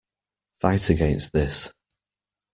Fight against this.